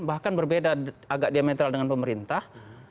bahkan berbeda agak diametral dengan pemerintah